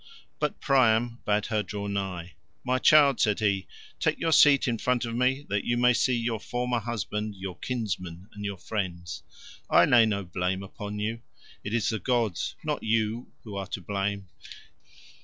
But Priam bade her draw nigh. "My child," said he, "take your seat in front of me that you may see your former husband, your kinsmen and your friends. I lay no blame upon you, it is the gods, not you who are to blame.